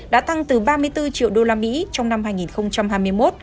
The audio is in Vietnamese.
đã tăng từ ba mươi bốn triệu đô la mỹ trong năm hai nghìn hai mươi một